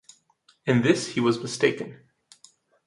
In this he was mistaken.